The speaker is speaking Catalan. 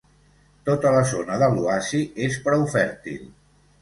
Tota la zona de l'oasi és prou fèrtil.